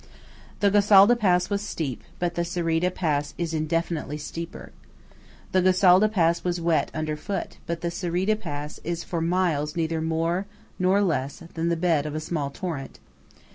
The Gosalda pass was steep; but the Cereda pass is infinitely steeper. The Gosalda pass was wet underfoot; but the Cereda pass is for miles neither more nor less than the bed of a small torrent.